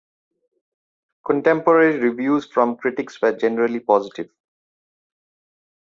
Contemporary reviews from critics were generally positive.